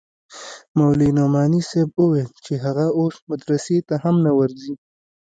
مولوي نعماني صاحب وويل چې هغه اوس مدرسې ته هم نه ورځي.